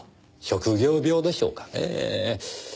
職業病でしょうかねえ。